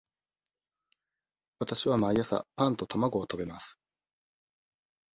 わたしは毎朝パンと卵を食べます。